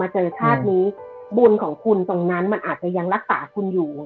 เจอชาตินี้บุญของคุณตรงนั้นมันอาจจะยังรักษาคุณอยู่